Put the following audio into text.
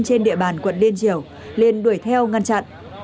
trên địa bàn quận liên triều liền đuổi theo ngăn chặn